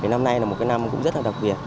năm nay là một năm rất đặc biệt